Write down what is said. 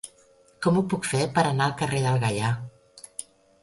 Com ho puc fer per anar al carrer del Gaià?